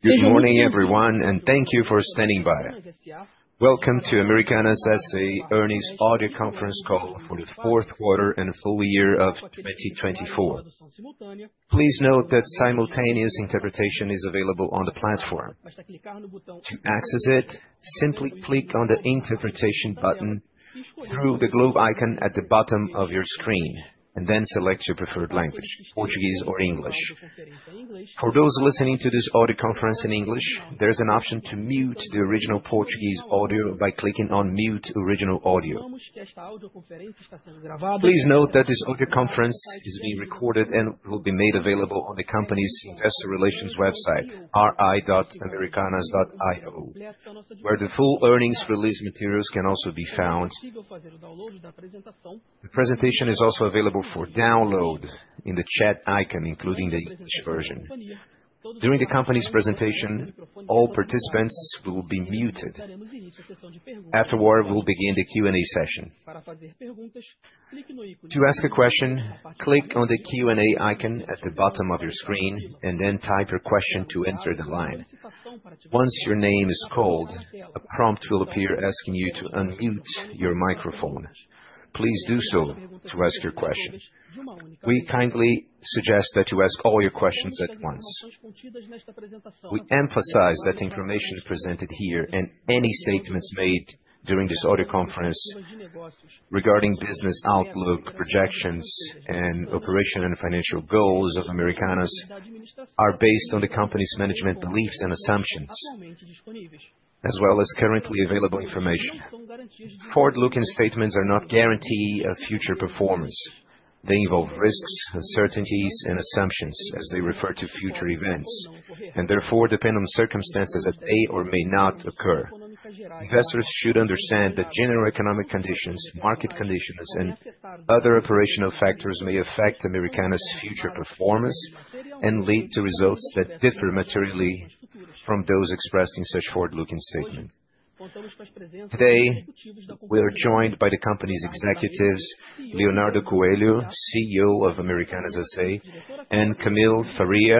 Good morning, everyone, and thank you for standing by. Welcome to Americanas S.A. earnings audio conference call for the fourth quarter and full year of 2024. Please note that simultaneous interpretation is available on the platform. To access it, simply click on the interpretation button through the globe icon at the bottom of your screen, and then select your preferred language: Portuguese or English.For those listening to this audio conference in English, there is an option to mute the original Portuguese audio by clicking on "Mute Original Audio." Please note that this audio conference is being recorded and will be made available on the company's investor relations website, ri.americanas.com.br To ask a question, click on the Q&A icon at the bottom of your screen and then type your question to enter the line. Once your name is called, a prompt will appear asking you to unmute your microphone. Please do so to ask your question. We kindly suggest that you ask all your questions at once. We emphasize that the information presented here and any statements made during this audio conference regarding business outlook, projections, and operational and financial goals of Americanas are based on the company's management beliefs and assumptions, as well as currently available information. Forward-looking statements are not a guarantee of future performance. They involve Risco Sacados, uncertainties, and assumptions as they refer to future events, and therefore depend on circumstances that may or may not occur. Investors should understand that general economic conditions, market conditions, and other operational factors may affect Americanas' future performance and lead to results that differ materially from those expressed in such forward-looking statements. Today, we are joined by the company's executives, Leonardo Coelho, CEO of Americanas S.A., and Camille Faria,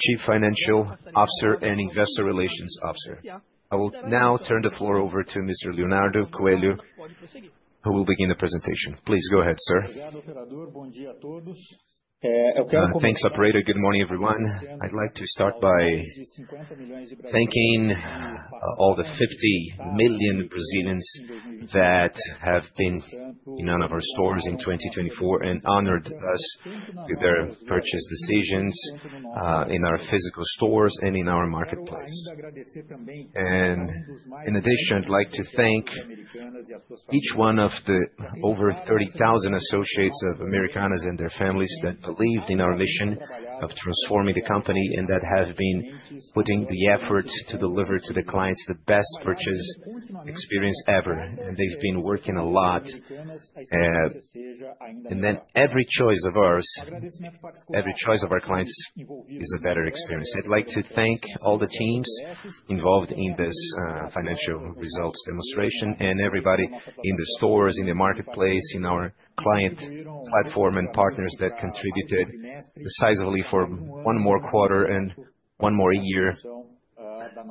Chief Financial Officer and Investor Relations Officer. I will now turn the floor over to Mr. Leonardo Coelho, who will begin the presentation. Please go ahead, sir. Thanks, Operator. Good morning, everyone. I'd like to start by thanking all the 50 million Brazilians that have been in one of our stores in 2024 and honored us with their purchase decisions in our physical stores and in our marketplace. In addition, I'd like to thank each one of the over 30,000 associates of Americanas and their families that believed in our mission of transforming the company and that have been putting the effort to deliver to the clients the best purchase experience ever. They've been working a lot. Every choice of ours, every choice of our clients is a better experience. I'd like to thank all the teams involved in this financial results demonstration and everybody in the stores, in the marketplace, in our client platform and partners that contributed decisively for one more quarter and one more year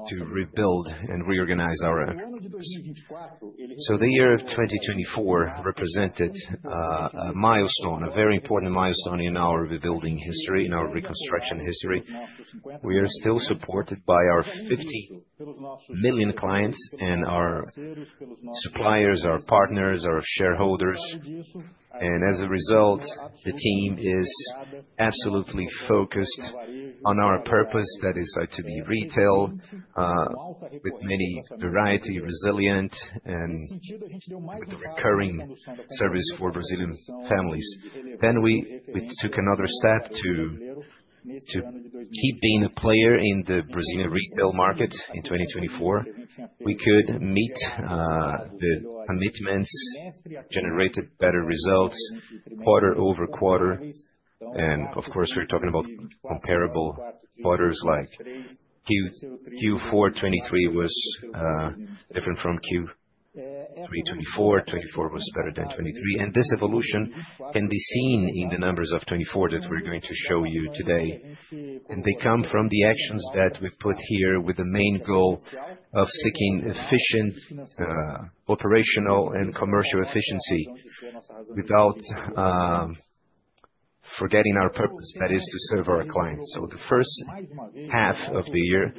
to rebuild and reorganize our business. The year of 2024 represented a milestone, a very important milestone in our rebuilding history, in our reconstruction history. We are still supported by our 50 million clients and our suppliers, our partners, our shareholders. As a result, the team is absolutely focused on our purpose that is to be retail with many variety, resilient, and with the recurring service for Brazilian families. We took another step to keep being a player in the Brazilian retail market in 2024. We could meet the commitments, generate better results quarter over quarter. Of course, we're talking about comparable quarters like Q4 2023 was different from Q3 2024. 2024 was better than 2023. This evolution can be seen in the numbers of 2024 that we're going to show you today. They come from the actions that we put here with the main goal of seeking efficient operational and commercial efficiency without forgetting our purpose, that is to serve our clients. The first half of the year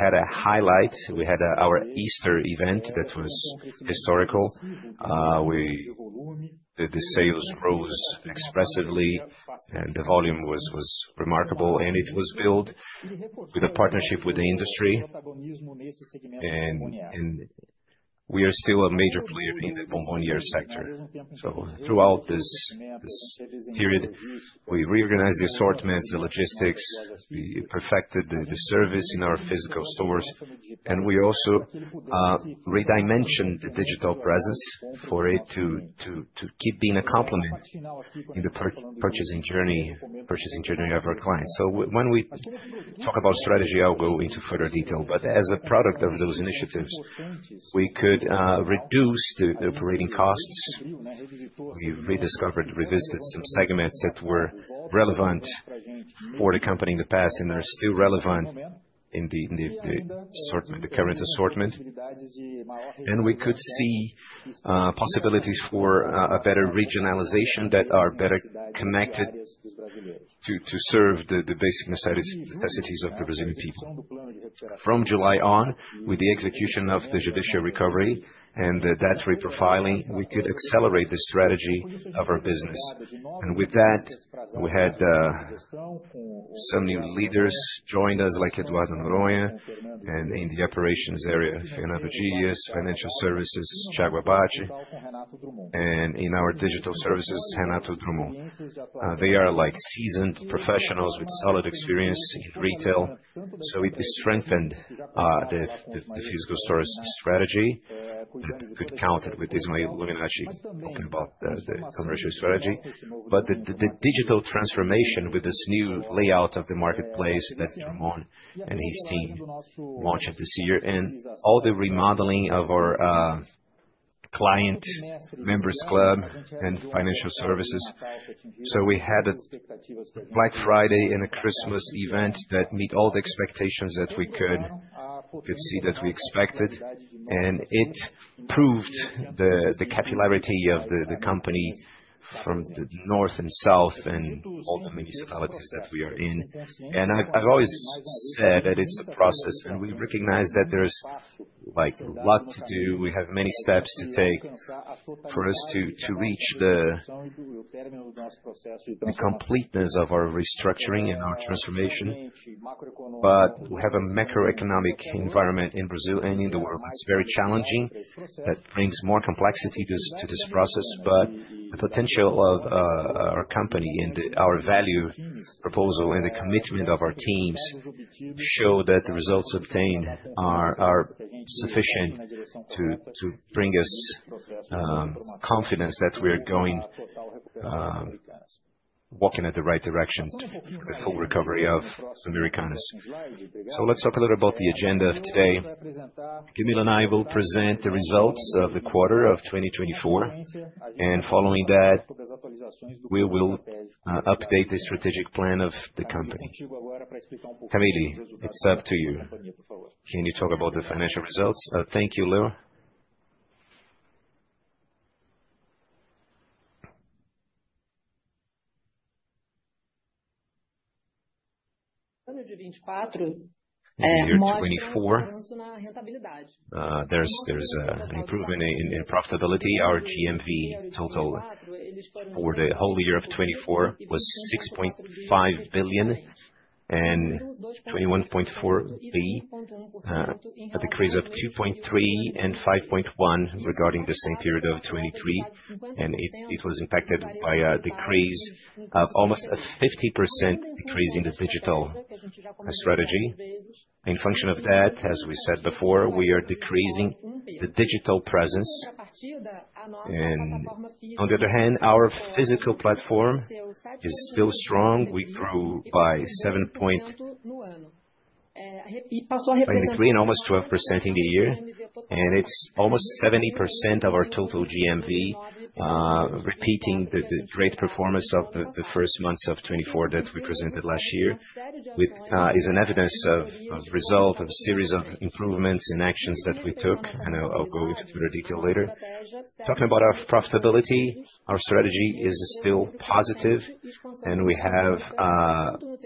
had a highlight. We had our Easter event that was historical. The sales rose expressively, and the volume was remarkable. It was built with a partnership with the industry. We are still a major player in the bombonière sector. Throughout this period, we reorganized the assortments, the logistics, we perfected the service in our physical stores, and we also redimensioned the digital presence for it to keep being a complement in the purchasing journey of our clients. When we talk about strategy, I'll go into further detail. As a product of those initiatives, we could reduce the operating costs. We rediscovered, revisited some segments that were relevant for the company in the past and are still relevant in the current assortment. We could see possibilities for a better regionalization that are better connected to serve the basic necessities of the Brazilian people. From July on, with the execution of the judicial recovery and the debt reprofiling, we could accelerate the strategy of our business. With that, we had some new leaders join us like Eduardo Noronha, and in the operations area, Fernando Dias, financial services, Thiago Abate, and in our digital services, Renato Drumm. They are seasoned professionals with solid experience in retail. We strengthened the physical store strategy. It could count Ismaele Aley, talking about the commercial strategy. The digital transformation with this new layout of the marketplace that Drumm and his team launched this year, and all the remodeling of our client members' club and financial services. We had a Black Friday and a Christmas event that met all the expectations that we could see that we expected. It proved the capillarity of the company from the north and south and all the municipalities that we are in. I have always said that it's a process, and we recognize that there's a lot to do. We have many steps to take for us to reach the completeness of our restructuring and our transformation. We have a macroeconomic environment in Brazil and in the world. It is very challenging. That brings more complexity to this process. The potential of our company and our value proposal and the commitment of our teams show that the results obtained are sufficient to bring us confidence that we are walking in the right direction for the full recovery of Americanas. Let's talk a little about the agenda of today. Camille and I will present the results of the quarter of 2024. Following that, we will update the strategic plan of the company. Camille, it's up to you. Can you talk about the financial results? Thank you, Leo. In the year 2024, there is an improvement in profitability. Our GMV total for the whole year of 2024 was 6.5 billion and 21.4 billion, a decrease of 2.3% and 5.1% regarding the same period of 2023. It was impacted by a decrease of almost a 50% decrease in the digital strategy. In function of that, as we said before, we are decreasing the digital presence. On the other hand, our physical platform is still strong. We grew by 7.23% and almost 12% in the year. It is almost 70% of our total GMV, repeating the great performance of the first months of 2024 that we presented last year, is an evidence of the result of a series of improvements and actions that we took. I will go into further detail later. Talking about our profitability, our strategy is still positive, and we have an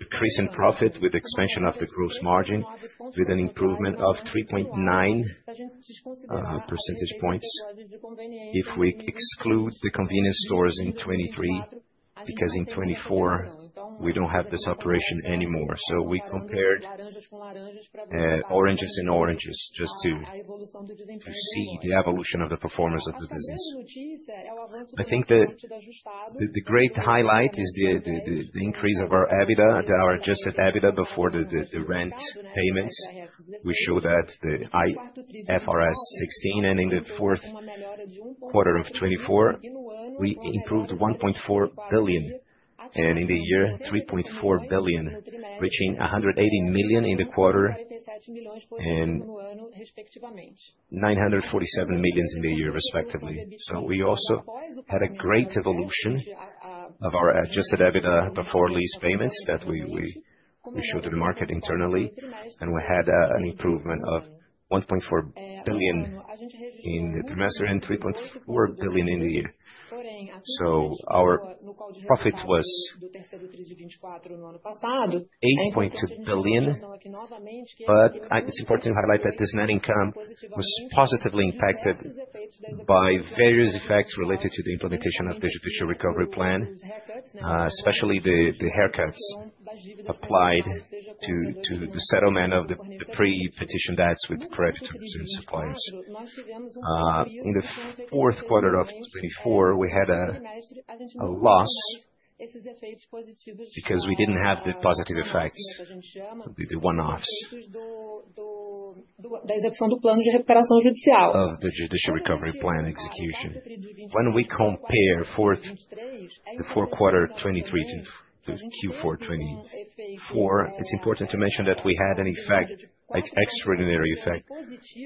increase in profit with the expansion of the gross margin, with an improvement of 3.9 percentage points if we exclude the convenience stores in 2023, because in 2024, we do not have this operation anymore. We compared oranges and oranges just to see the evolution of the performance of the business. I think that the great highlight is the increase of our EBITDA, the adjusted EBITDA before the rent payments. We show that the IFRS 16, and in the fourth quarter of 2024, we improved 1.4 billion, and in the year, 3.4 billion, reaching 180 million in the quarter and 947 million in the year, respectively. We also had a great evolution of our adjusted EBITDA before lease payments that we showed to the market internally. We had an improvement of 1.4 billion in the trimester and 3.4 billion in the year. Our profit was BRL 8.2 billion. It is important to highlight that this net income was positively impacted by various effects related to the implementation of the judicial recovery plan, especially the haircuts applied to the settlement of the pre-petition debts with the correct terms and suppliers. In the fourth quarter of 2024, we had a loss because we did not have the positive effects, the one-offs of the judicial recovery plan execution. When we compare the fourth quarter 2023 to Q4 2024, it is important to mention that we had an effect, an extraordinary effect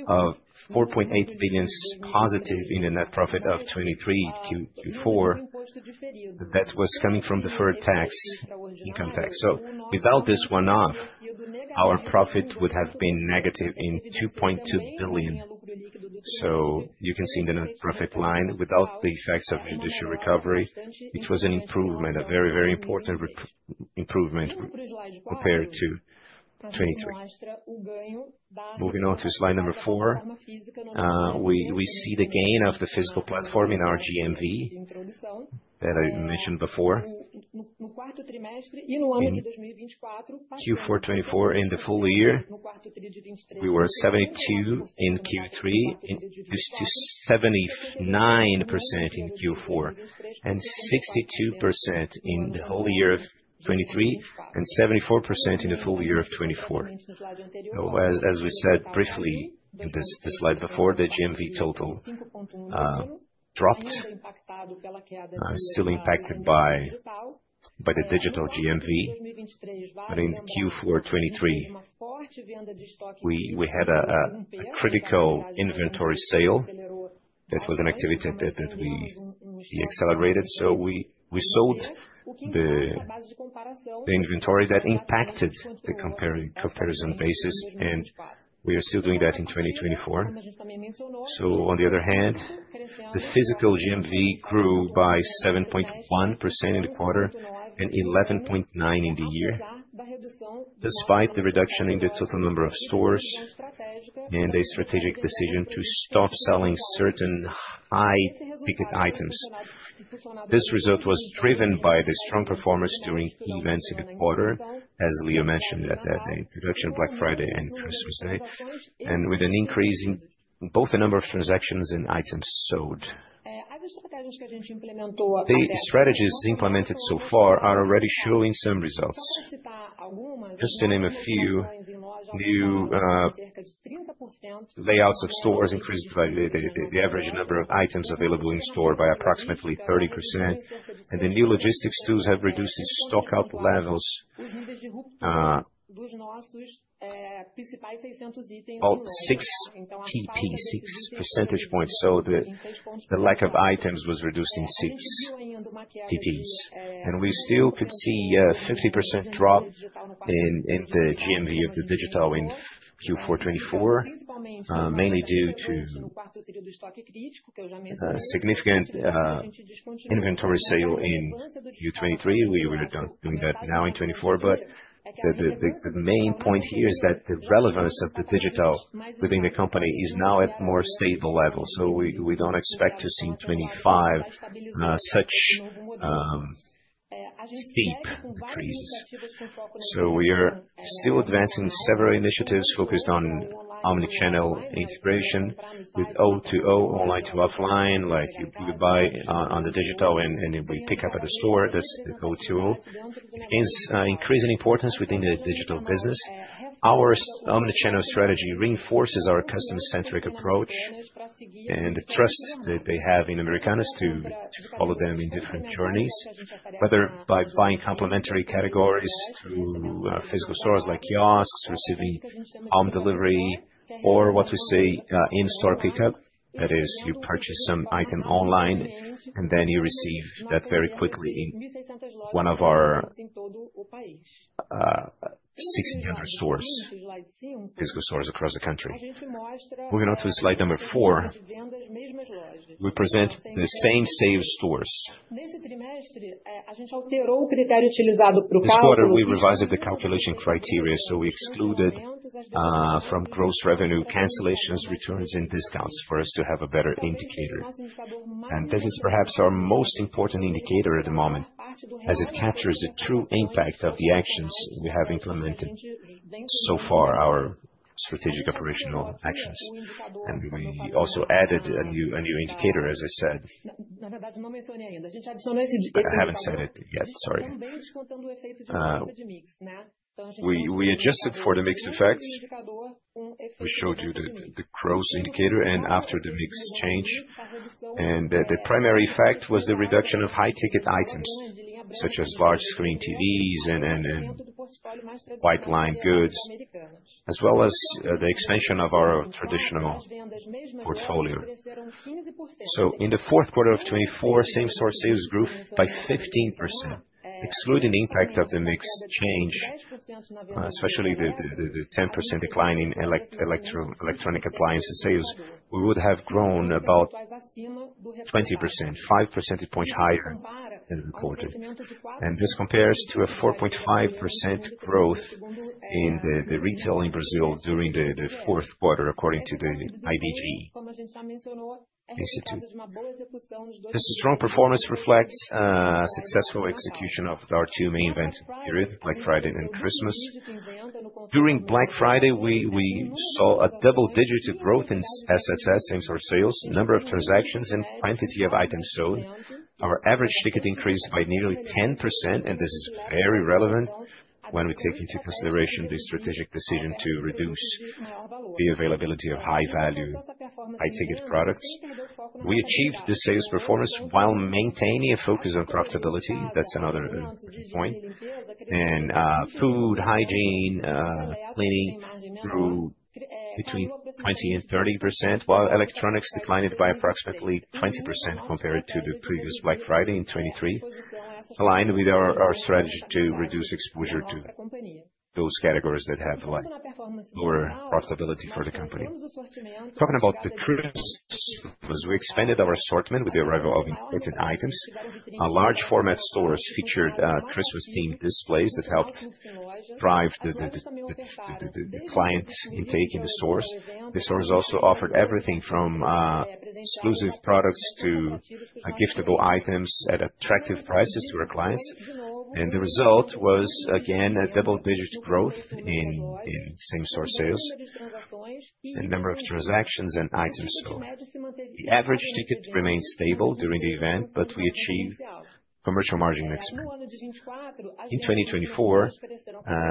of 4.8 billion positive in the net profit of 2023 to Q4 that was coming from the deferred tax, income tax. Without this one-off, our profit would have been negative in 2.2 billion. You can see in the net profit line, without the effects of judicial recovery, it was an improvement, a very, very important improvement compared to 2023. Moving on to slide number four, we see the gain of the physical platform in our GMV that I mentioned before. Q4 2024, in the full year, we were 72% in Q3, 79% in Q4, and 62% in the whole year of 2023, and 74% in the full year of 2024. As we said briefly in the slide before, the GMV total dropped. Still impacted by the digital GMV, but in Q4 2023, we had a critical inventory sale that was an activity that we accelerated. We sold the inventory that impacted the comparison basis, and we are still doing that in 2024. On the other hand, the physical GMV grew by 7.1% in the quarter and 11.9% in the year, despite the reduction in the total number of stores and a strategic decision to stop selling certain high-ticket items. This result was driven by the strong performance during events in the quarter, as Leo mentioned, at the introduction of Black Friday and Christmas Day, with an increase in both the number of transactions and items sold. The strategies implemented so far are already showing some results. Just to name a few, new layouts of stores increased the average number of items available in store by approximately 30%. The new logistics tools have reduced the stock-out levels by 6 percentage points. The lack of items was reduced in 6 percentage points. We still could see a 50% drop in the GMV of the digital in Q4 2024, mainly due to significant inventory sale in Q2 2023. We were doing that now in 2024. The main point here is that the relevance of the digital within the company is now at a more stable level. We do not expect to see in 2025 such steep increases. We are still advancing several initiatives focused on omnichannel integration with O2O, online to offline, like you buy on the digital and we pick up at the store. That is the O2O. It gains increasing importance within the digital business. Our omnichannel strategy reinforces our customer-centric approach and the trust that they have in Americanas to follow them in different journeys, whether by buying complementary categories through physical stores like kiosks, receiving home delivery, or what we say in-store pickup. That is, you purchase some item online, and then you receive that very quickly in one of our 1,600 physical stores across the country. Moving on to slide number four, we present the same store sales. This quarter, we revised the calculation criteria. We excluded from gross revenue cancellations, returns, and discounts for us to have a better indicator. This is perhaps our most important indicator at the moment, as it captures the true impact of the actions we have implemented so far, our strategic operational actions. We also added a new indicator, as I said. I haven't said it yet. Sorry. We adjusted for the mix effects. We showed you the gross indicator and after the mix change. The primary effect was the reduction of high-ticket items, such as large-screen TVs and white line goods, as well as the expansion of our traditional portfolio. In the fourth quarter of 2024, same-store sales grew by 15%. Excluding the impact of the mix change, especially the 10% decline in electronic appliances sales, we would have grown about 20%, 5 percentage points higher in the quarter. This compares to a 4.5% growth in the retail in Brazil during the fourth quarter, according to the IBGE. This strong performance reflects a successful execution of our two main event periods, Black Friday and Christmas. During Black Friday, we saw a double-digit growth in SSS, same-store sales, number of transactions, and quantity of items sold. Our average ticket increased by nearly 10%, and this is very relevant when we take into consideration the strategic decision to reduce the availability of high-value, high-ticket products. We achieved the sales performance while maintaining a focus on profitability. That is another key point. Food, hygiene, cleaning grew between 20% and 30%, while electronics declined by approximately 20% compared to the previous Black Friday in 2023, aligned with our strategy to reduce exposure to those categories that have a lower profitability for the company. Talking about the Christmas, we expanded our assortment with the arrival of imported items. Large-format stores featured Christmas-themed displays that helped drive the client intake in the stores. The stores also offered everything from exclusive products to giftable items at attractive prices to our clients. The result was, again, a double-digit growth in same-store sales and number of transactions and items sold. The average ticket remained stable during the event, but we achieved commercial margin maximum. In 2024,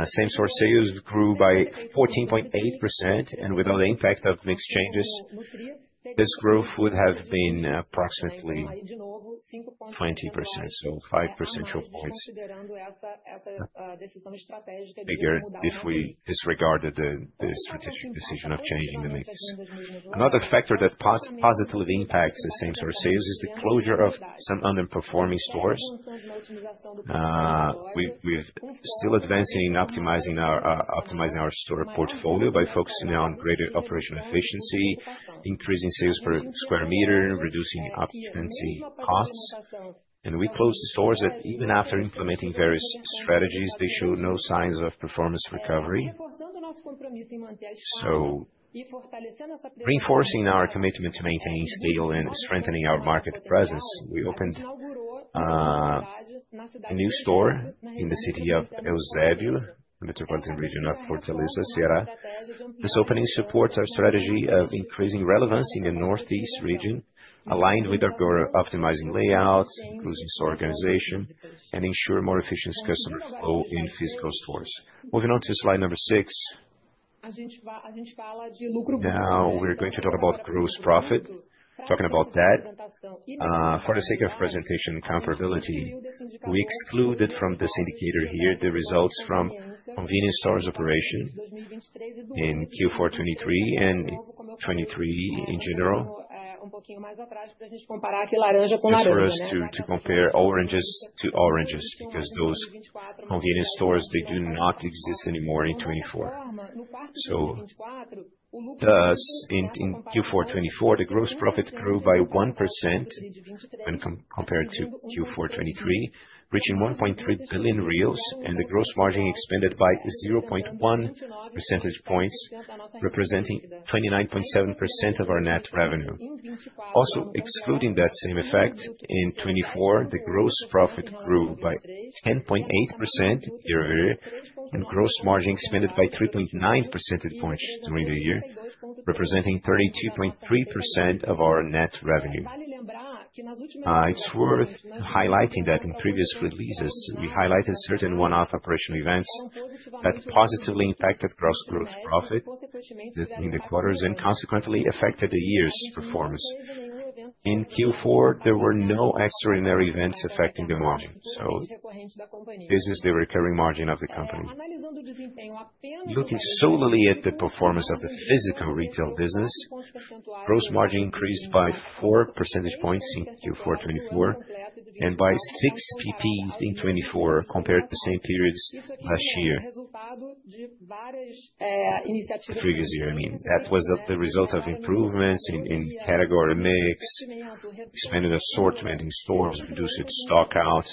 same-store sales grew by 14.8%. Without the impact of mixed changes, this growth would have been approximately 20%. Five percentage points bigger if we disregarded the strategic decision of changing the mix. Another factor that positively impacts the same-store sales is the closure of some underperforming stores. We're still advancing and optimizing our store portfolio by focusing on greater operational efficiency, increasing sales per square meter, reducing occupancy costs. We closed the stores that, even after implementing various strategies, showed no signs of performance recovery. Reinforcing our commitment to maintaining scale and strengthening our market presence, we opened a new store in the city of Eusébio, the metropolitan region of Fortaleza, Ceará. This opening supports our strategy of increasing relevance in the northeast region, aligned with our goal of optimizing layouts, increasing store organization, and ensuring more efficient customer flow in physical stores. Moving on to slide number six, now we're going to talk about gross profit. Talking about that, for the sake of presentation comparability, we excluded from this indicator here the results from convenience stores operation in Q4 2023 and 2023 in general, to compare oranges to oranges because those convenience stores, they do not exist anymore in 2024. In Q4 2024, the gross profit grew by 1% when compared to Q4 2023, reaching 1.3 billion reais, and the gross margin expanded by 0.1 percentage points, representing 29.7% of our net revenue. Also excluding that same effect, in 2024, the gross profit grew by 10.8% year over year, and gross margin expanded by 3.9 percentage points during the year, representing 32.3% of our net revenue. It is worth highlighting that in previous releases, we highlighted certain one-off operational events that positively impacted gross profit in the quarters and consequently affected the year's performance. In Q4, there were no extraordinary events affecting the margin. This is the recurring margin of the company. Looking solely at the performance of the physical retail business, gross margin increased by 4 percentage points in Q4 2024 and by 6 percentage points in 2024 compared to the same periods last year. Previous year, I mean, that was the result of improvements in category mix, expanded assortment in stores, reduced stock-out,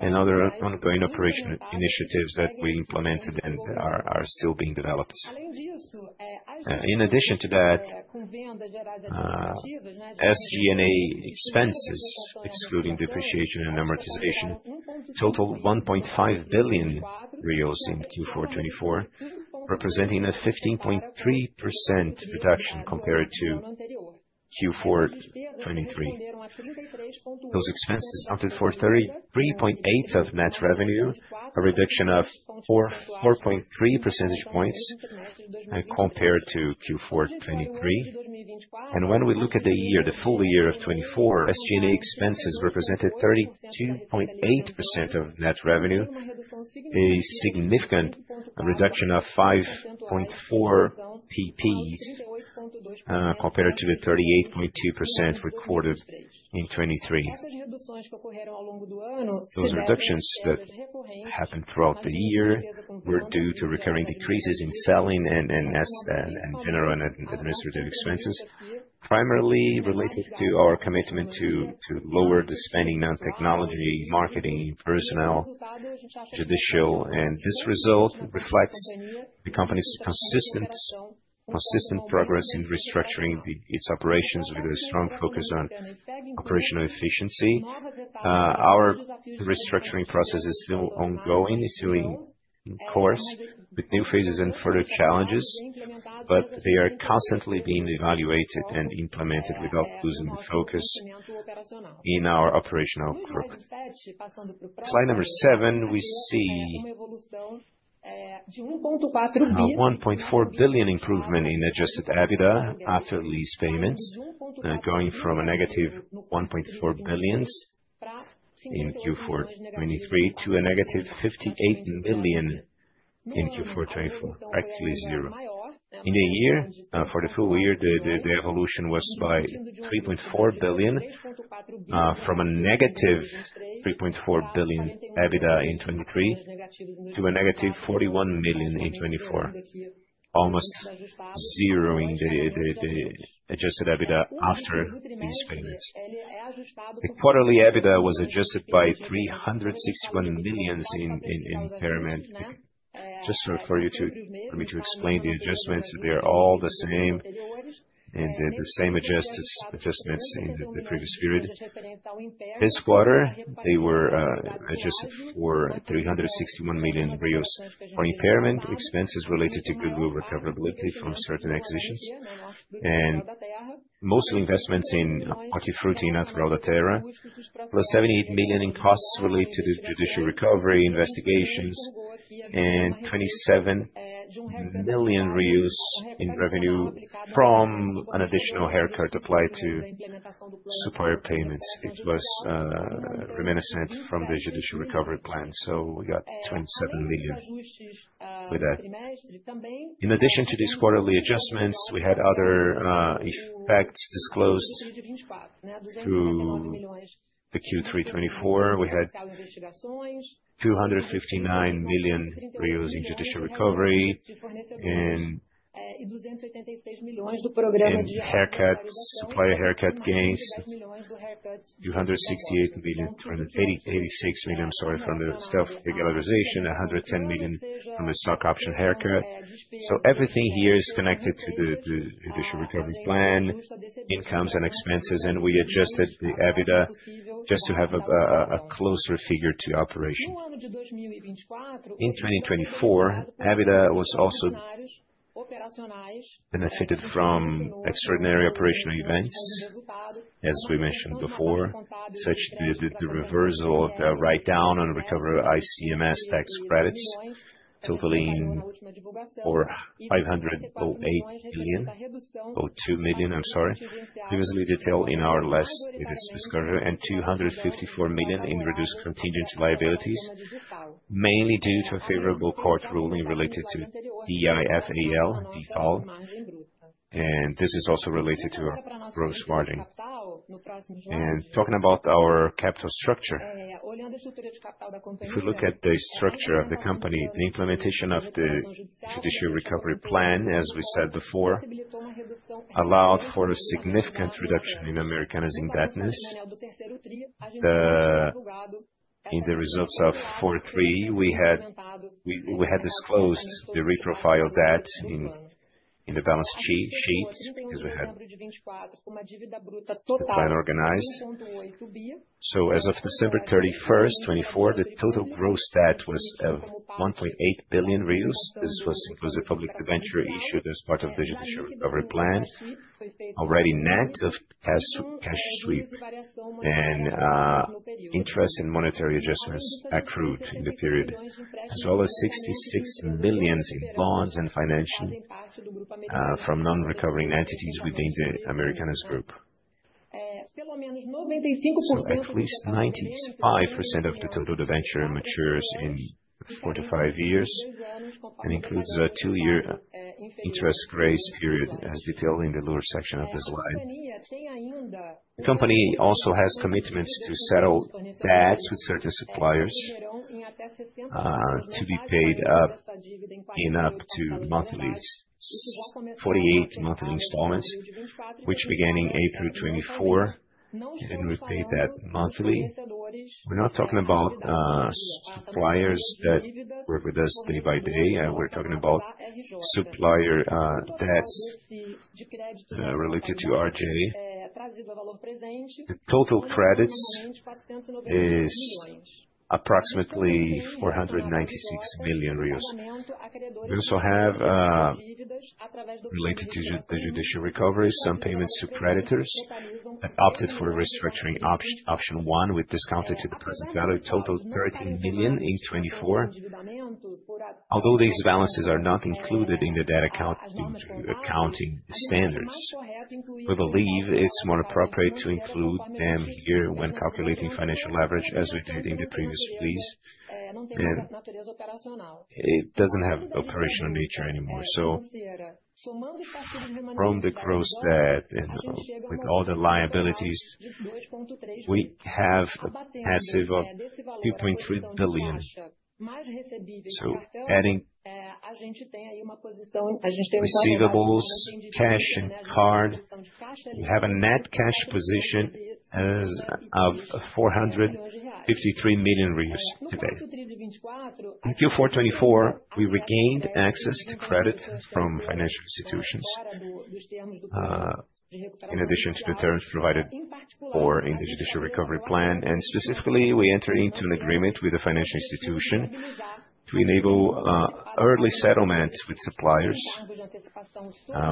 and other ongoing operational initiatives that we implemented and are still being developed. In addition to that, SG&A expenses, excluding depreciation and amortization, total 1.5 billion in Q4 2024, representing a 15.3% reduction compared to Q4 2023. Those expenses accounted for 33.8% of net revenue, a reduction of 4.3 percentage points compared to Q4 2023. When we look at the year, the full year of 2024, SG&A expenses represented 32.8% of net revenue, a significant reduction of 5.4 percentage points compared to the 38.2% recorded in 2023. Those reductions that happened throughout the year were due to recurring decreases in selling and general and administrative expenses, primarily related to our commitment to lower the spending on technology, marketing, personnel, judicial. This result reflects the company's consistent progress in restructuring its operations with a strong focus on operational efficiency. Our restructuring process is still ongoing, is still in course with new phases and further challenges, but they are constantly being evaluated and implemented without losing the focus in our operational work. Slide number seven, we see a 1.4 billion improvement in adjusted EBITDA after lease payments, going from a negative 1.4 billion in Q4 2023 to a negative 58 million in Q4 2024, practically zero. In the year, for the full year, the evolution was by 3.4 billion from a negative 3.4 billion EBITDA in 2023 to a negative 41 million in 2024, almost zeroing the adjusted EBITDA after lease payments. The quarterly EBITDA was adjusted by 361 million in payment. Just for you to explain the adjustments, they're all the same and the same adjustments in the previous period. This quarter, they were adjusted for 361 million for impairment expenses related to goodwill recoverability from certain acquisitions, and mostly investments in Hortifruti and Natural da Terra, plus 78 million in costs related to the judicial recovery investigations, and 27 million in revenue from an additional haircut applied to supplier payments. It was reminiscent from the judicial recovery plan. We got 27 million with that. In addition to these quarterly adjustments, we had other effects disclosed through the Q3 2024. We had 259 million in judicial recovery and BRL 266 million in haircuts, supplier haircut gains, 268 million, 286 million, sorry, from the stock regularization, 110 million from the stock option haircut. Everything here is connected to the judicial recovery plan, incomes and expenses, and we adjusted the EBITDA just to have a closer figure to operation. In 2024, EBITDA was also benefited from extraordinary operational events, as we mentioned before, such as the reversal of the write-down on recovery ICMS tax credits, totaling 4,508.02 million, I'm sorry, previously detailed in our last. With its discovery and 254 million in reduced contingent liabilities, mainly due to a favorable court ruling related to DIFAL default. This is also related to our gross margin. Talking about our capital structure, if we look at the structure of the company, the implementation of the judicial recovery plan, as we said before, allowed for a significant reduction in Americanas indebtedness. In the results of 2023, we had disclosed the reprofiled debt in the balance sheet because we had the plan organized. As of December 31, 2024, the total gross debt was 1.8 billion. This was inclusive of public debenture issued as part of the judicial recovery plan, already net of cash sweep and interest and monetary adjustments accrued in the period, as well as 66 million in bonds and financial from non-recovering entities within the Americanas Group. At least 95% of the total debenture matures in four to five years and includes a two-year interest grace period, as detailed in the lower section of the slide. The company also has commitments to settle debts with certain suppliers to be paid up in up to 48 monthly installments, which began in April 2024 and repaid that monthly. We're not talking about suppliers that work with us day by day. We're talking about supplier debts related to RJ. The total credits is approximately 496 million. We also have related to the judicial recovery, some payments to creditors that opted for restructuring option one with discounted to the present value, totaled 13 million in 2024. Although these balances are not included in the debt accounting standards, we believe it's more appropriate to include them here when calculating financial leverage, as we did in the previous release. It doesn't have operational nature anymore. From the gross debt and with all the liabilities, we have a passive of 2.3 billion. Adding receivables, cash and card, we have a net cash position of 453 million today. In Q4 2024, we regained access to credit from financial institutions, in addition to the terms provided for in the judicial recovery plan. Specifically, we entered into an agreement with a financial institution to enable early settlement with suppliers,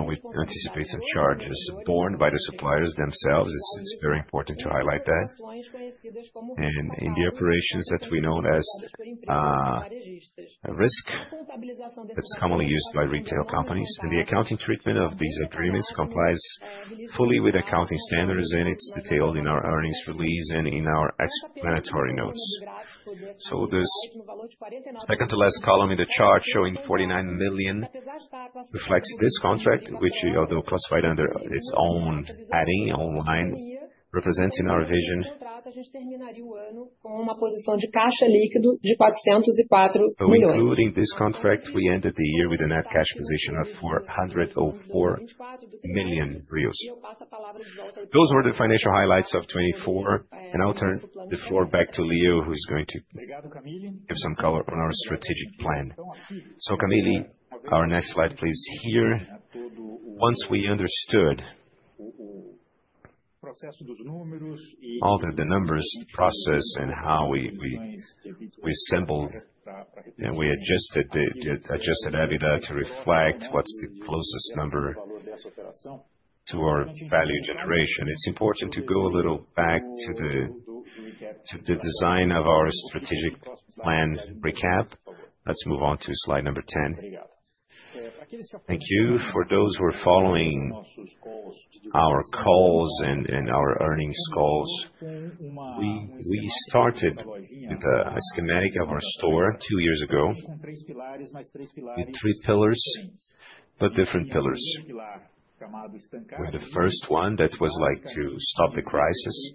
with anticipation of charges borne by the suppliers themselves. It is very important to highlight that. In the operations that we know as Risco Sacado, that is commonly used by retail companies. The accounting treatment of these agreements complies fully with accounting standards, and it is detailed in our earnings release and in our explanatory notes. This second to last column in the chart showing 49 million reflects this contract, which, although classified under its own adding online, represents in our vision a de cash liquidity of BRL 404 million. Including this contract, we ended the year with a net cash position of 404 million. Those were the financial highlights of 2024, and I'll turn the floor back to Leo, who is going to give some color on our strategic plan. Camille, our next slide, please. Here, once we understood all the numbers, the process, and how we assembled and we adjusted EBITDA to reflect what's the closest number to our value generation, it's important to go a little back to the design of our strategic plan recap. Let's move on to slide number 10. Thank you. For those who are following our calls and our earnings calls, we started with the schematic of our store two years ago, with three pillars, but different pillars. With the first one, that was like to stop the crisis.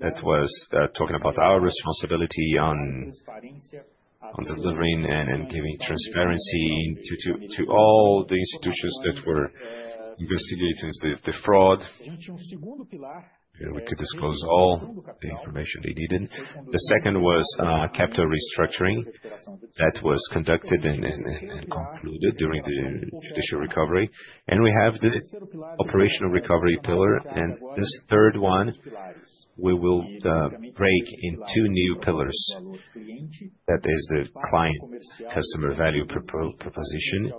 That was talking about our responsibility on delivering and giving transparency to all the institutions that were investigating the fraud. We could disclose all the information they needed. The second was capital restructuring that was conducted and concluded during the judicial recovery. We have the operational recovery pillar. This third one, we will break into two new pillars. That is the client customer value proposition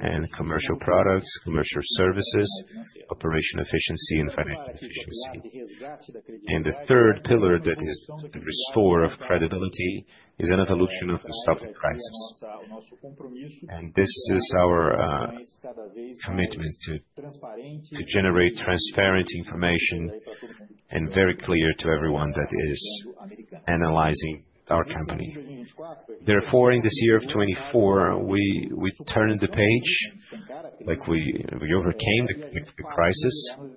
and commercial products, commercial services, operational efficiency, and financial efficiency. The third pillar that is the restore of credibility is an evolution of the stock prices. This is our commitment to generate transparent information and very clear to everyone that is analyzing our company. Therefore, in this year of 2024, we turned the page, like we overcame the crisis,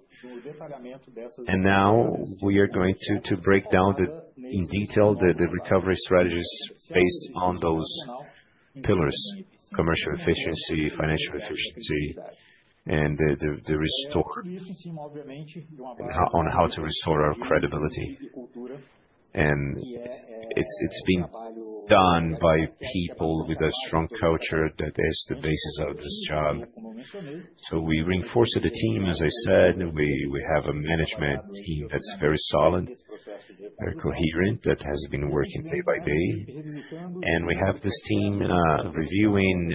and now we are going to break down in detail the recovery strategies based on those pillars: commercial efficiency, financial efficiency, and the restore on how to restore our credibility. It's been done by people with a strong culture that is the basis of this job. We reinforce the team, as I said. We have a management team that's very solid, very coherent, that has been working day by day. We have this team reviewing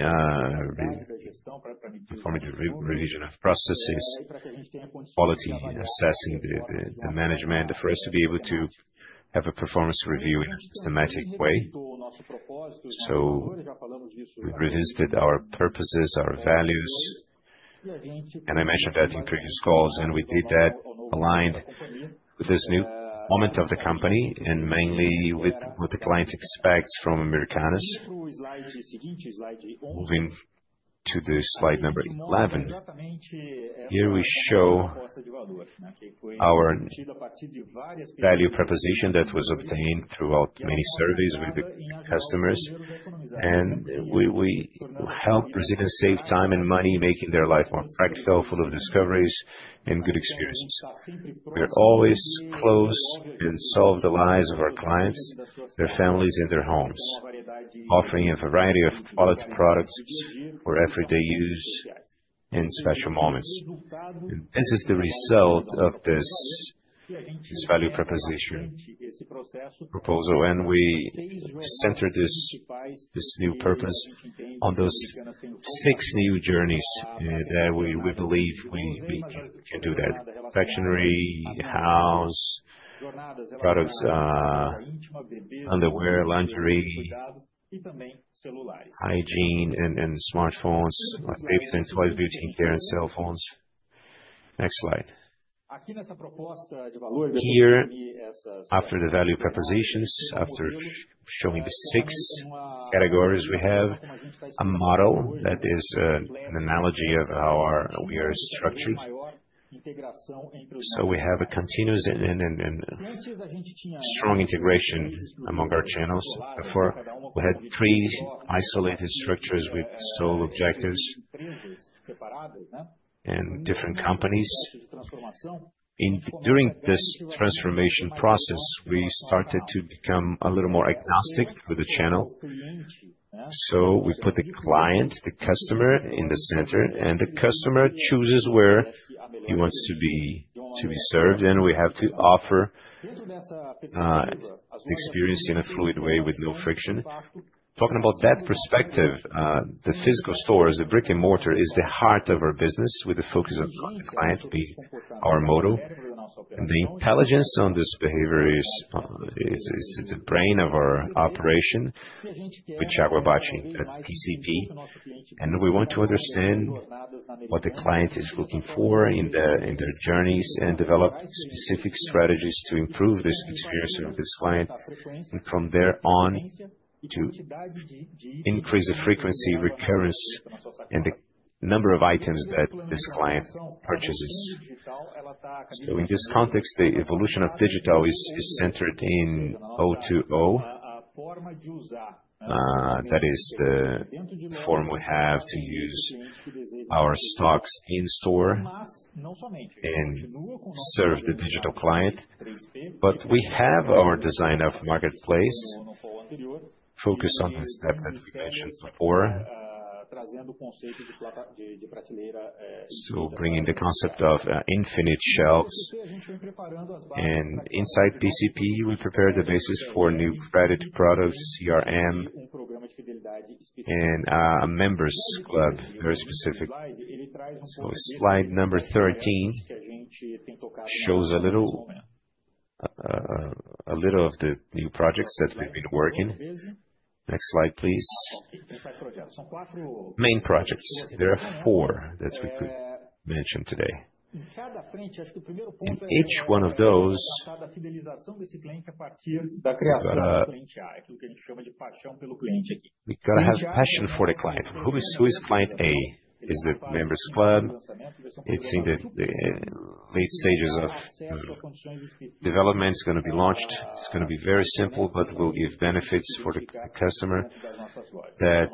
revision of processes, quality assessing the management. For us to be able to have a performance review in a systematic way. We've revisited our purposes, our values. I mentioned that in previous calls, and we did that aligned with this new moment of the company and mainly with what the client expects from Americanas. Moving to slide number 11, here we show our value proposition that was obtained throughout many surveys with the customers, and we help residents save time and money, making their life more practical, full of discoveries, and good experiences. We are always close and solve the lives of our clients, their families, and their homes, offering a variety of quality products for everyday use in special moments. This is the result of this value proposition proposal, and we center this new purpose on those six new journeys that we believe we can do that: confectionery, house, products, underwear, lingerie, hygiene, and smartphones, paper and toys, beauty care, and cell phones. Next slide. Here, after the value propositions, after showing the six categories, we have a model that is an analogy of how we are structured. We have a continuous and strong integration among our channels. Therefore, we had three isolated structures with sole objectives and different companies. During this transformation process, we started to become a little more agnostic with the channel. We put the client, the customer in the center, and the customer chooses where he wants to be served, and we have to offer the experience in a fluid way with no friction. Talking about that perspective, the physical stores, the brick and mortar is the heart of our business with the focus of the client being our motto. The intelligence on this behavior is the brain of our operation. We chat with CDP, and we want to understand what the client is looking for in their journeys and develop specific strategies to improve this experience of this Client And from there on to increase the frequency, recurrence, and the number of items that this client purchases. In this context, the evolution of digital is centered in O2O, that is the form we have to use our stocks in store and serve the digital client. We have our design of marketplace focused on the step that we mentioned before, bringing the concept of infinite shelves. Inside CDP, we prepare the basis for new credit products, CRM, and a members club, very specific. Slide number 13 shows a little of the new projects that we've been working. Next slide, please. Main projects. There are four that we could mention today. In each one of those, we got to have passion for the client here. We got to have passion for the client. Who is Client A? Is it members club? It's in the late stages of development. It's going to be launched. It's going to be very simple, but will give benefits for the customer that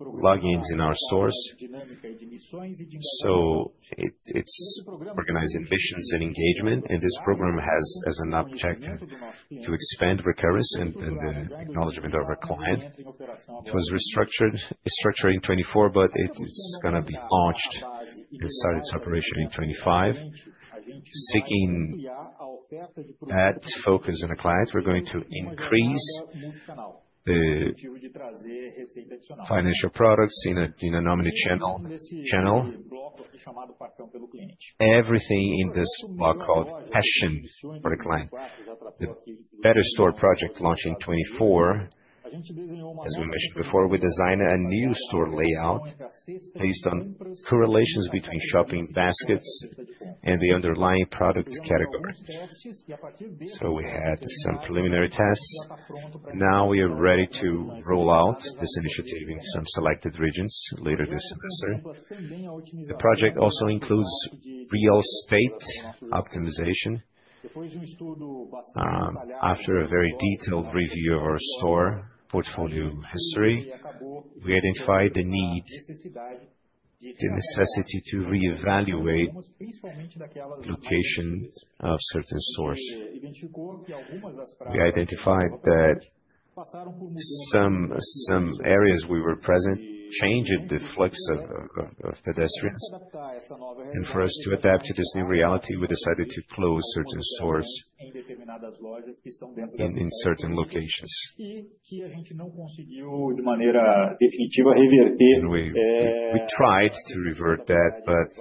logins in our source. It is organized ambitions and engagement, and this program has as an object to expand recurrence and the acknowledgment of our client. It was restructured in 2024, but it's going to be launched and start its operation in 2025, seeking that focus on the client. We're going to increase the financial products in a nominate channel channel. Everything in this block called passion for the client. The better store project launched in 2024, as we mentioned before, we designed a new store layout based on correlations between shopping baskets and the underlying product category. We had some preliminary tests. Now we are ready to roll out this initiative in some selected regions later this semester. The project also includes real estate optimization. After a very detailed review of our store portfolio history, we identified the need, the necessity to reevaluate the location of certain stores. We identified that some areas we were present changed the flux of pedestrians. For us to adapt to this new reality, we decided to close certain stores in certain locations. We tried to revert that, but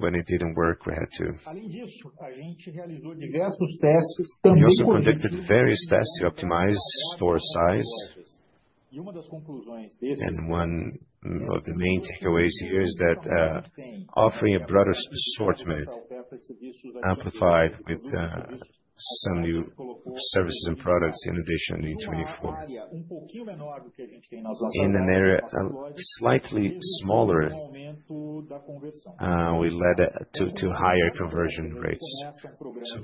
when it did not work, we had to. One of the main takeaways here is that offering a broader assortment amplified with some new services and products in addition in 2024. In an area slightly smaller, we led to higher conversion rates.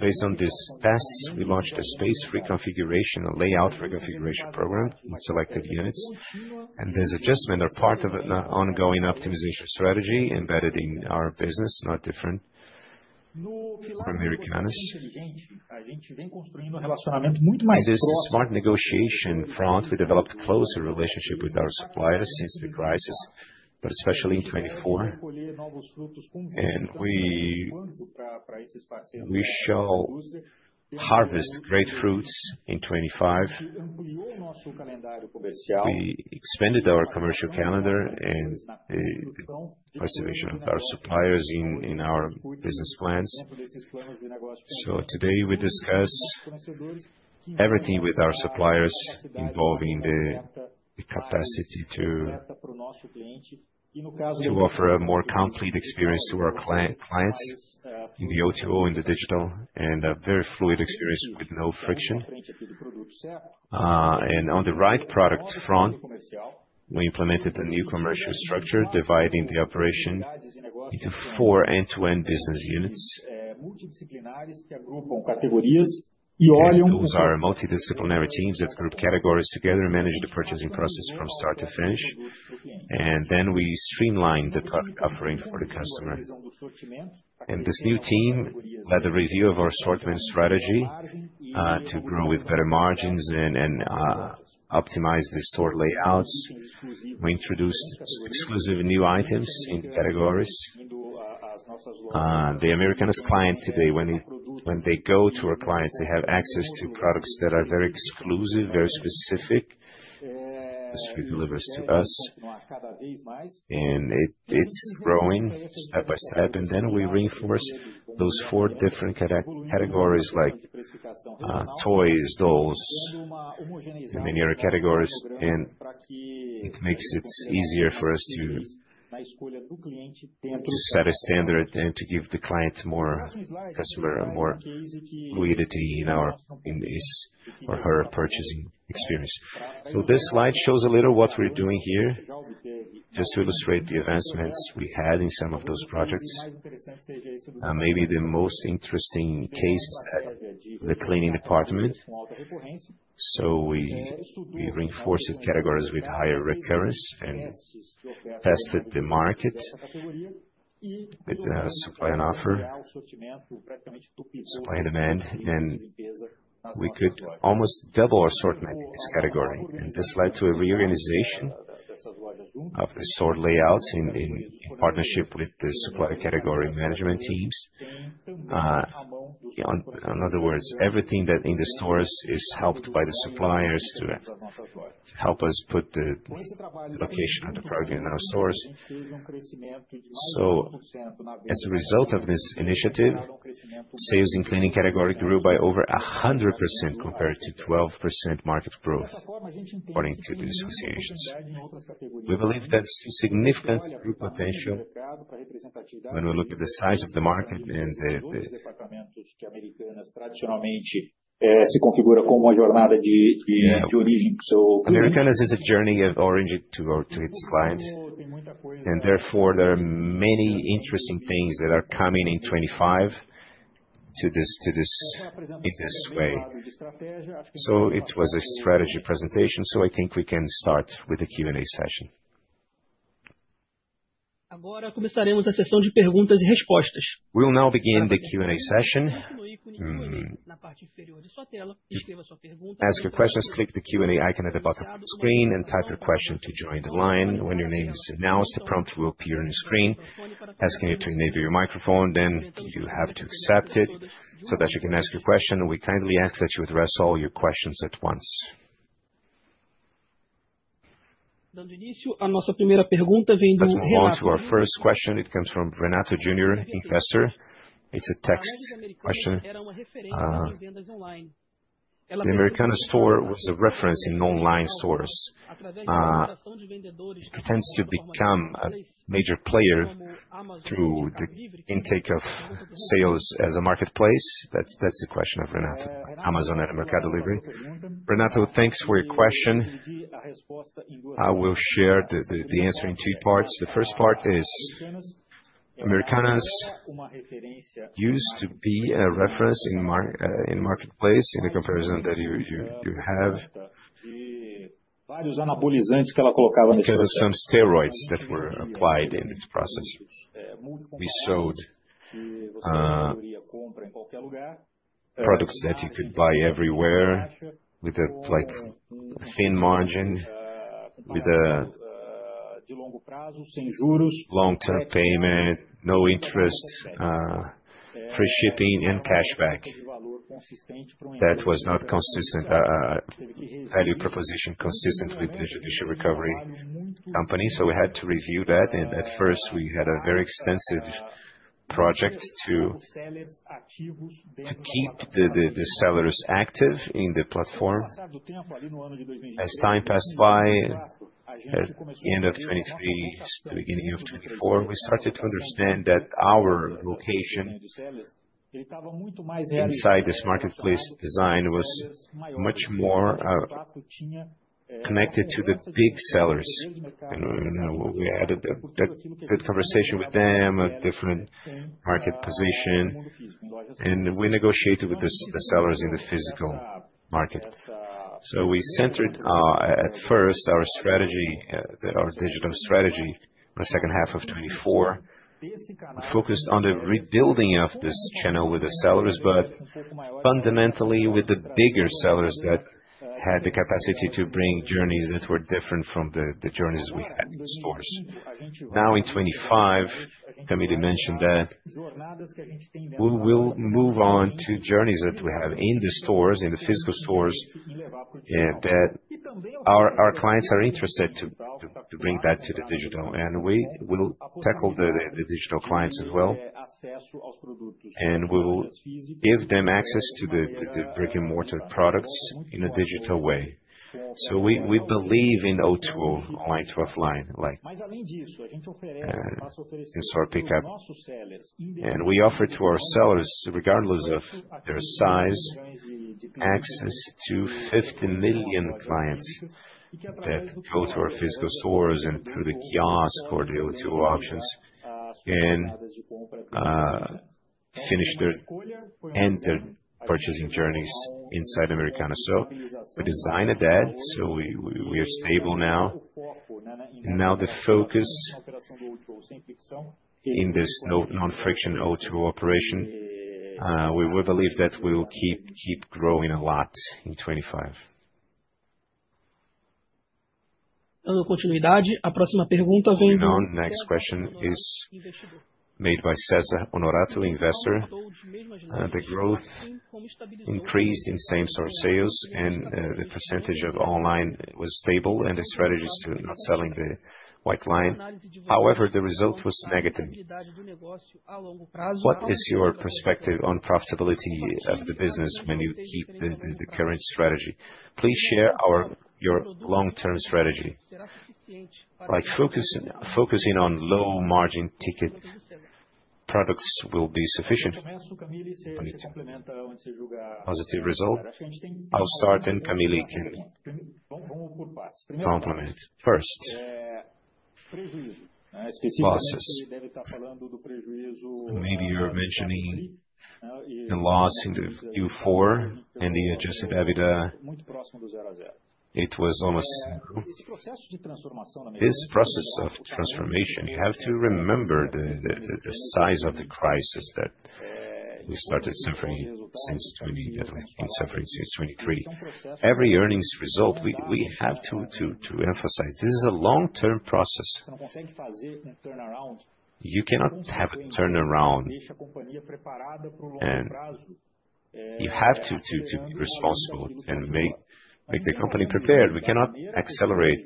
Based on these tests, we launched a space reconfiguration, a layout reconfiguration program with selected units. This adjustment is part of an ongoing optimization strategy embedded in our business, not different from Americanas. This smart negotiation front, we developed a closer relationship with our suppliers since the crisis, but especially in 2024. We shall harvest great fruits in 2025. We expanded our commercial calendar and participation of our suppliers in our business plans. Today, we discuss everything with our suppliers involving the capacity to offer a more complete experience to our clients in the O2O, in the digital, and a very fluid experience with no friction. On the right product front, we implemented a new commercial structure dividing the operation into four end-to-end business units. Those are multidisciplinary teams that group categories together and manage the purchasing process from start to finish. We streamline the product offering for the customer. This new team led the review of our assortment strategy to grow with better margins and optimize the store layouts. We introduced exclusive new items in categories. The Americanas client today, when they go to our clients, they have access to products that are very exclusive, very specific, as we deliver to us. It is growing step by step. We reinforce those four different categories like toys, dolls, and many other categories. It makes it easier for us to set a standard and to give the client customer more fluidity in his or her purchasing experience. This slide shows a little what we are doing here just to illustrate the advancements we had in some of those projects. Maybe the most interesting case is the cleaning department. We reinforced categories with higher recurrence and tested the market with the supply and offer, supply and demand. We could almost double our assortment in this category. This led to a reorganization of the store layouts in partnership with the supply category management teams. In other words, everything that in the stores is helped by the suppliers to help us put the location of the product in our stores. As a result of this initiative, sales in cleaning category grew by over 100% compared to 12% market growth according to the associations. We believe that's significant potential when we look at the size of the market and the. Americanas is a journey of orange to its clients. Therefore, there are many interesting things that are coming in 2025 to this way. It was a strategy presentation. I think we can start with the Q&A session. We will now begin the Q&A session. Ask your questions, click the Q&A icon at the bottom of the screen, and type your question to join the line. When your name is announced, a prompt will appear on your screen asking you to enable your microphone. Then you have to accept it so that you can ask your question. We kindly ask that you address all your questions at once. The first question comes from Renato Junior, investor. It's a text question. The Americanas store was a reference in online stores. It tends to become a major player through the intake of sales as a marketplace. That's the question of Renato. Amazon and Mercado Libre. Renato, thanks for your question. I will share the answer in two parts. The first part is Americanas used to be a reference in marketplace in the comparison that you have. Because of some steroids that were applied in this process. We sold products that you could buy everywhere with a thin margin, with a long-term payment, no interest, free shipping, and cashback. That was not a value proposition consistent with the judicial recovery company. We had to review that. At first, we had a very extensive project to keep the sellers active in the platform. As time passed by, end of 2023, beginning of 2024, we started to understand that our location inside this marketplace design was much more connected to the big sellers. We had a good conversation with them of different market position. We negotiated with the sellers in the physical market. We centered at first our digital strategy in the second half of 2024. We focused on the rebuilding of this channel with the sellers, but fundamentally with the bigger sellers that had the capacity to bring journeys that were different from the journeys we had in stores. Now in 2025, Camille mentioned that we will move on to journeys that we have in the stores, in the physical stores, that our clients are interested to bring back to the digital. We will tackle the digital clients as well. We will give them access to the brick and mortar products in a digital way. We believe in O2O, online to offline, like in store pickup. We offer to our sellers, regardless of their size, access to 50 million clients that go to our physical stores and through the kiosk or the O2O options and finish their end-to-end purchasing journeys inside Americanas. We designed that. We are stable now. Now the focus in this non-fiction O2O operation, we believe that we will keep growing a lot in 2025. A próxima pergunta vem do. Next question is made by César Honorato, investor. The growth increased in same-store sales, and the percentage of online was stable, and the strategy is to not selling the white line. However, the result was negative. What is your perspective on profitability of the business when you keep the current strategy? Please share your long-term strategy. Focusing on low-margin ticket products will be sufficient to implement a positive result. I'll start, and Camille can complement. First, losses. Maybe you're mentioning the loss in the Q4 and the adjusted EBITDA. It was almost. This process of transformation, you have to remember the size of the crisis that we started suffering since 2023. Every earnings result, we have to emphasize this is a long-term process. You cannot have a turnaround. You have to be responsible and make the company prepared. We cannot accelerate.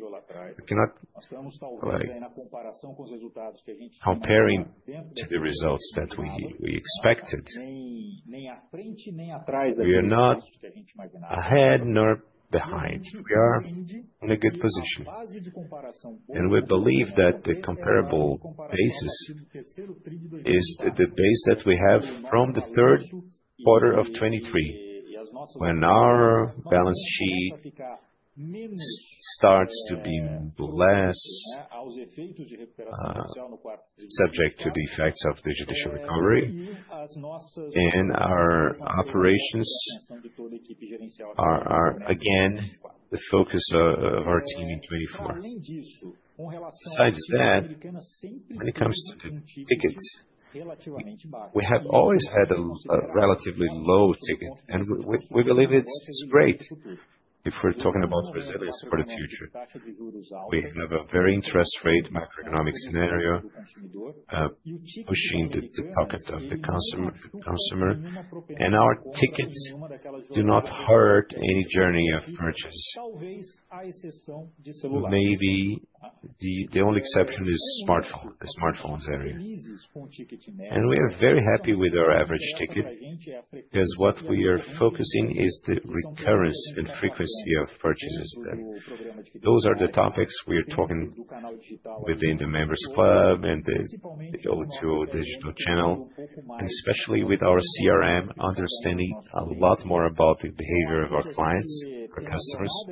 Comparing to the results that we expected, we are not ahead nor behind. We are in a good position. We believe that the comparable basis is the base that we have from the third quarter of 2023, when our balance sheet starts to be less subject to the effects of the judicial recovery. Our operations are again the focus of our team in 2024. Besides that, when it comes to tickets, we have always had a relatively low ticket. We believe it's great if we're talking about Brazil for the future. We have a very interest-rate macroeconomic scenario pushing the pocket of the consumer. Our tickets do not hurt any journey of purchase. Maybe the only exception is smartphones area. We are very happy with our average ticket because what we are focusing on is the recurrence and frequency of purchases. Those are the topics we are talking within the members club and the O2O digital channel, and especially with our CRM, understanding a lot more about the behavior of our clients, our customers.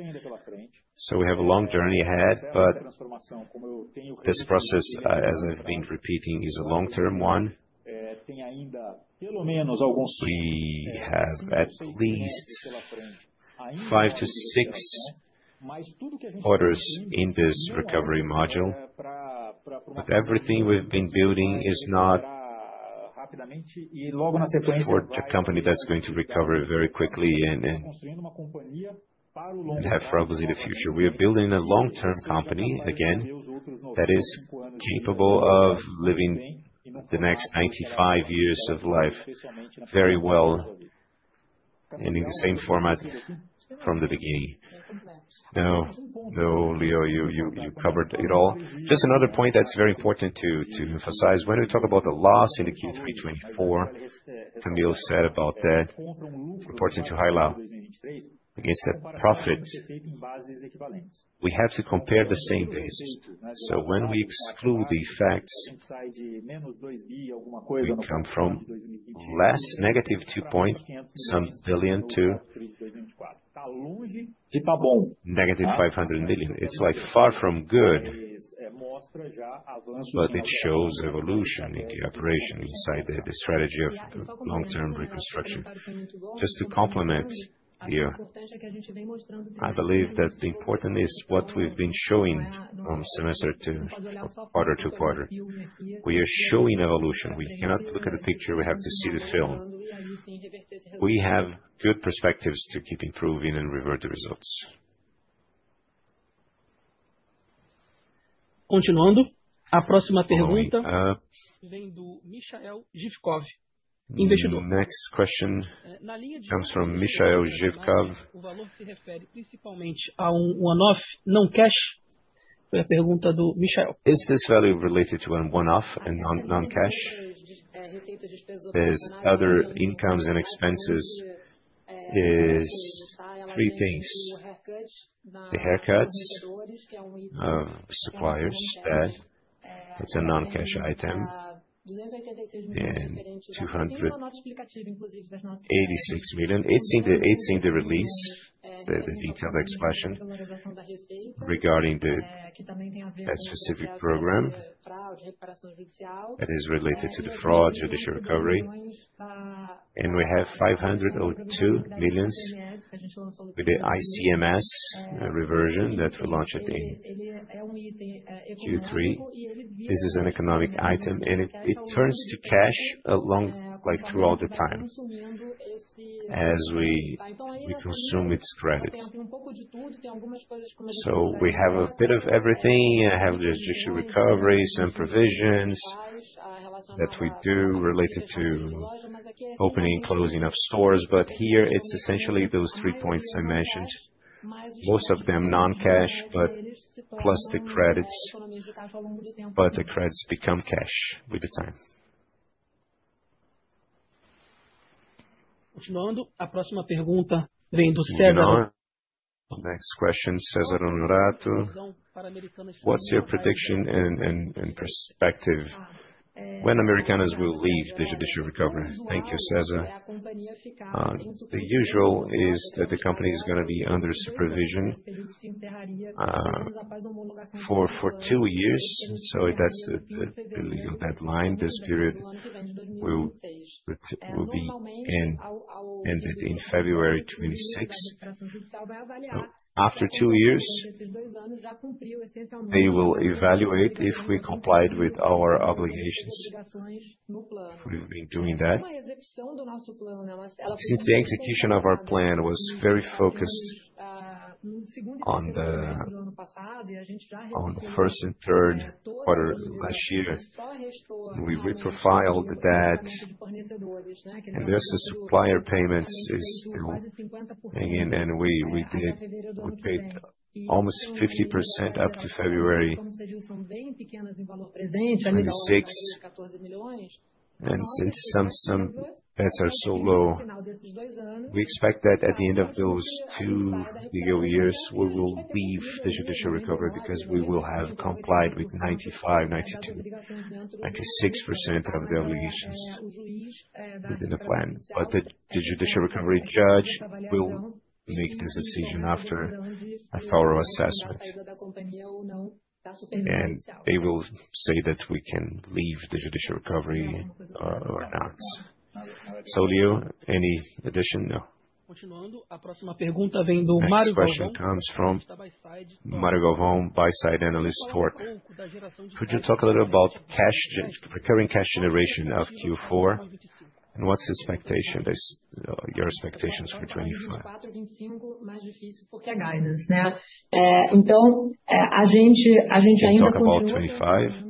We have a long journey ahead, but this process, as I've been repeating, is a long-term one. We have at least five to six orders in this recovery module. Everything we've been building is not for a company that's going to recover very quickly and have problems in the future. We are building a long-term company again that is capable of living the next 95 years of life very well and in the same format from the beginning. No, Leo, you covered it all. Just another point that's very important to emphasize. When we talk about the loss in the Q3 2024, Camille said about that, important to highlight. Against the profit, we have to compare the same basis. So when we exclude the effects that come from less negative 2.1 billion to negative 500 million, it's like far from good, but it shows evolution in the operation inside the strategy of long-term reconstruction. Just to complement here, I believe that the important is what we've been showing from semester to quarter to quarter. We are showing evolution. We cannot look at the picture; we have to see the film. We have good perspectives to keep improving and revert the results. Continuando, a próxima pergunta vem do Michael Novikov, investidor. The next question comes from Michael Novikov. O valor se refere principalmente a one-off, não cash? Foi a pergunta do Michael. Is this value related to a one-off and non-cash? There's other incomes and expenses. It is three things: the haircuts of suppliers that it's a non-cash item and BRL 86 million. It's in the release, the detailed expression regarding the specific program that is related to the fraud judicial recovery. We have 502 million with the ICMS reversion that we launched in Q3. This is an economic item, and it turns to cash through all the time as we consume its credit. We have a bit of everything. I have the judicial recovery, some provisions that we do related to opening and closing of stores. Here, it's essentially those three points I mentioned. Most of them non-cash, plus the credits. The credits become cash with the time. Continuando, a próxima pergunta vem do César. The next question, César Honorato. What's your prediction and perspective when Americanas will leave the judicial recovery? Thank you, César. The usual is that the company is going to be under supervision for two years. That is the legal deadline. This period will be ended in February 2026. After two years, they will evaluate if we complied with our obligations. We've been doing that. The execution of our plan was very focused on the first and third quarter last year, we reprofiled that. This supplier payment is still, and we did, we paid almost 50% up to February 2026. Since some bets are so low, we expect that at the end of those two legal years, we will leave the judicial recovery because we will have complied with 95%, 92%, 96% of the obligations within the plan. The judicial recovery judge will make this decision after a thorough assessment. They will say that we can leave the judicial recovery or not. Leo, any addition? Continuando, a próxima pergunta Marcos Wan. this question Marcos Wan, buyside analyst, Torq Capital. Could you talk a little about recurring cash generation of Q4 and what's your expectations for 2025? Então, a gente ainda consume. For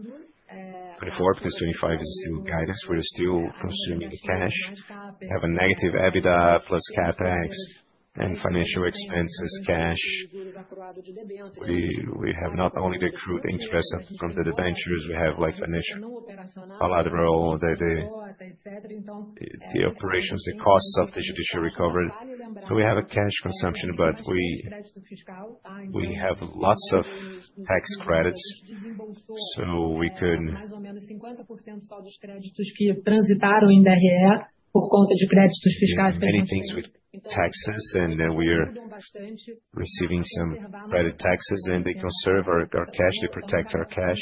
2025? Because 2025 is still guidance, we're still consuming cash. We have a negative EBITDA plus CapEx and financial expenses cash. We have not only the accrued interest from the debentures, we have financial collateral, the operations, the costs of the judicial recovery. We have a cash consumption, but we have lots of tax credits. So we could. Mais ou menos 50% só dos créditos que transitaram em BRE por conta de créditos fiscais. Many things with taxes, and we are receiving some credit taxes, and they conserve our cash, they protect our cash.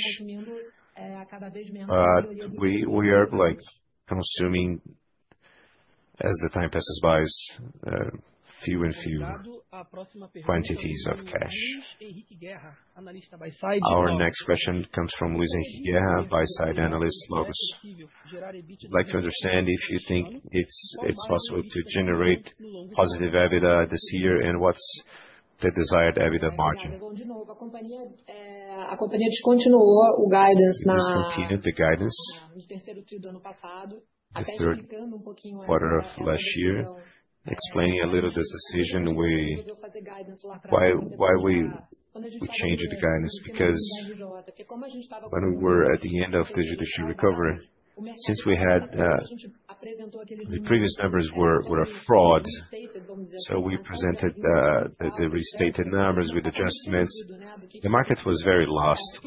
We are consuming, as the time passes by, few and few quantities of cash. Our next question comes from Luiz Henrique Guerra, BuySide Analyst, Logos. I'd like to understand if you think it's possible to generate positive EBITDA this year and what's the desired EBITDA margin. A companhia descontinuou o guidance. Discontinued the guidance. No terceiro trio do ano passado, até que. Quarter of last year, explaining a little this decision, we changed the guidance because when we were at the end of the judicial recovery, since we had the previous numbers were a fraud, so we presented the restated numbers with adjustments, the market was very lost.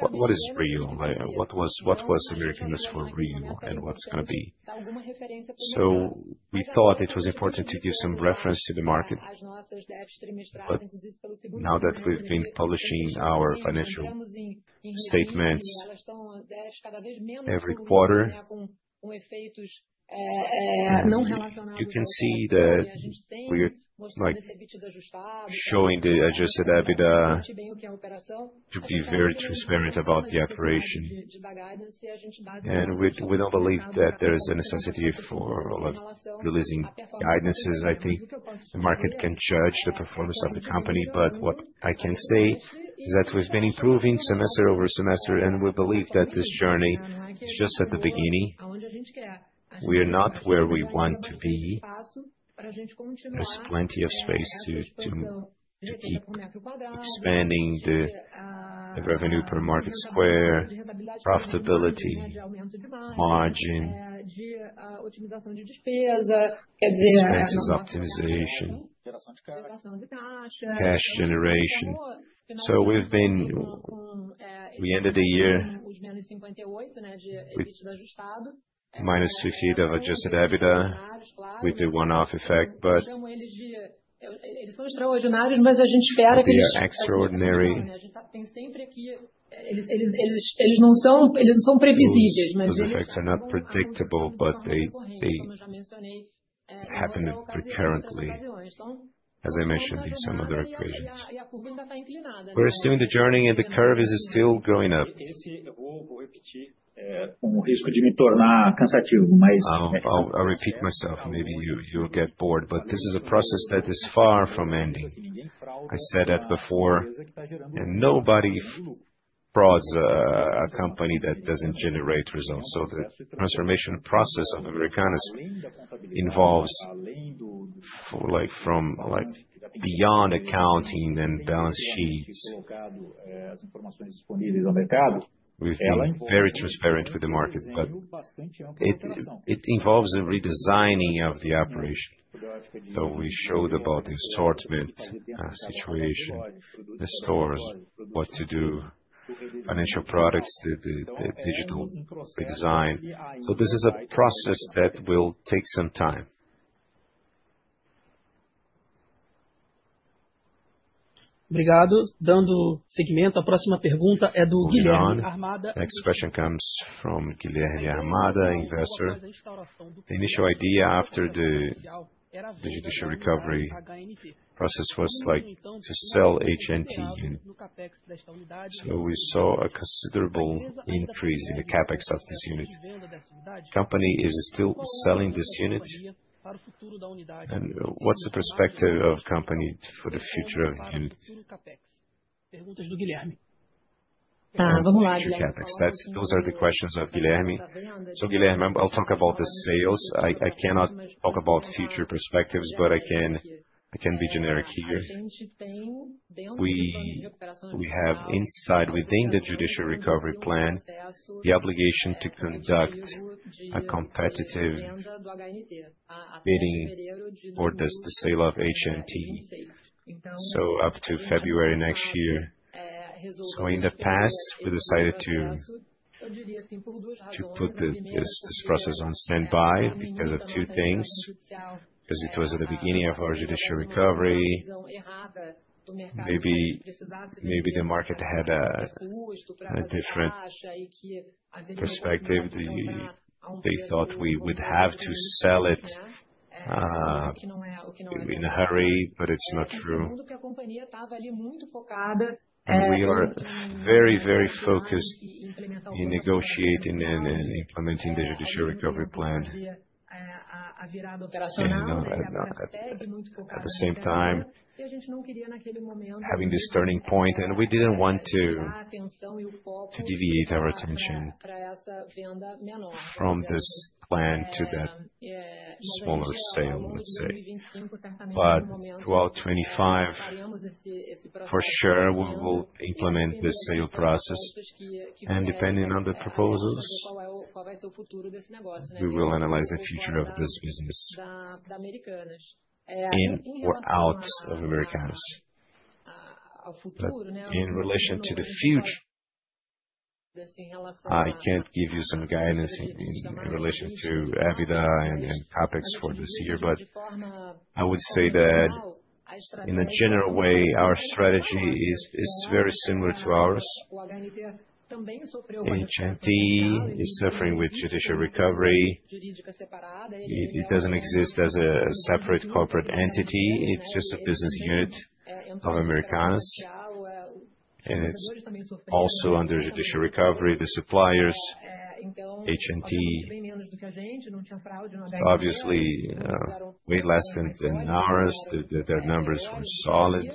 What is real? What was Americanas for real and what's going to be? We thought it was important to give some reference to the market. Now that we've been publishing our financial statements every quarter, you can see that we're showing the adjusted EBITDA to be very transparent about the operation. We don't believe that there is a necessity for releasing guidances. I think the market can judge the performance of the company, but what I can say is that we've been improving semester over semester, and we believe that this journey is just at the beginning. We are not where we want to be. There's plenty of space to keep expanding the revenue per square meter, profitability, margin, expenses optimization, cash generation. We ended the year with the one-off effect, but they are extraordinary. I'll repeat myself, maybe you'll get bored, but this is a process that is far from ending. I said that before, and nobody frauds a company that doesn't generate results. The transformation process of Americanas involves from beyond accounting and balance sheets. We've been very transparent with the market, but it involves a redesigning of the operation. We showed about the assortment situation, the stores, what to do, financial products, the digital redesign. This is a process that will take some time. Obrigado. Dando seguimento, a próxima pergunta é do Guilherme Hamada. The next question comes Guilherme Hamada, investor. The initial idea after the judicial recovery process was to sell HNT unit. We saw a considerable increase in the CapEx of this unit. The company is still selling this unit. What's the perspective of the company for the future of the unit? Tá, vamos lá. Those are the questions of Guilherme. Guilherme, I'll talk about the sales. I cannot talk about future perspectives, but I can be generic here. We have inside, within the judicial recovery plan, the obligation to conduct a competitive bidding or the sale of HNT up to February next year. In the past, we decided to put this process on standby because of two things. Because it was at the beginning of our judicial recovery, maybe the market had a different perspective. They thought we would have to sell it in a hurry, but it's not true. We are very, very focused in negotiating and implementing the judicial recovery plan. At the same time, having this turning point, and we didn't want to deviate our attention from this plan to that smaller sale, let's say. For sure, we will implement this sale process. Depending on the proposals, we will analyze the future of this business in or out of Americanas. In relation to the future, I can't give you some guidance in relation to EBITDA and CapEx for this year, but I would say that in a general way, our strategy is very similar to ours. HNT is suffering with judicial recovery. It doesn't exist as a separate corporate entity. It's just a business unit of Americanas. It's also under judicial recovery. The suppliers, HNT, obviously we lessened in hours. Their numbers were solid.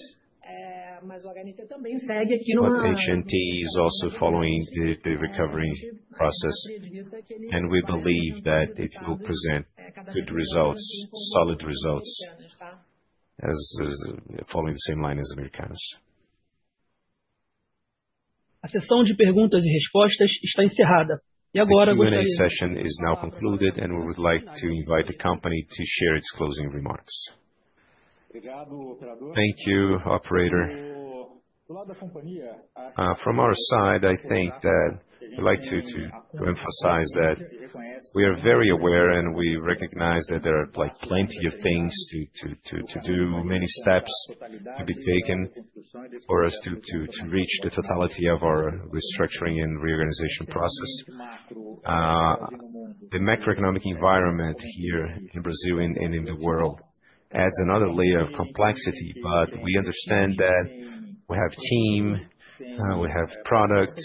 HNT is also following the recovery process. We believe that it will present good results, solid results, following the same line as Americanas. A sessão de perguntas e respostas está encerrada. E agora gostaria. The session is now concluded, and we would like to invite the company to share its closing remarks. Thank you, operator. From our side, I think that I'd like to emphasize that we are very aware and we recognize that there are plenty of things to do, many steps to be taken for us to reach the totality of our restructuring and reorganization process. The macroeconomic environment here in Brazil and in the world adds another layer of complexity, but we understand that we have a team, we have product,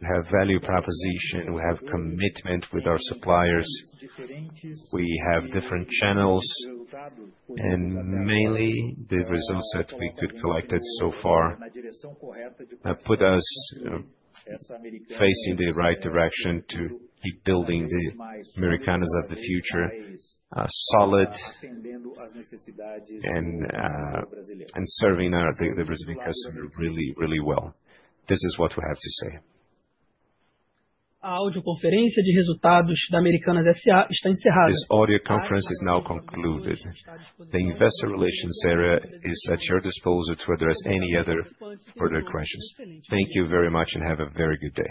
we have value proposition, we have commitment with our suppliers. We have different channels, and mainly the results that we could collect so far put us facing the right direction to keep building the Americanas of the future, solid, and serving the Brazilian customer really, really well. This is what we have to say. A audioconferência de resultados da Americanas S.A. está encerrada. This audio conference is now concluded. The Investor Relations area is at your disposal to address any other further questions. Thank you very much and have a very good day.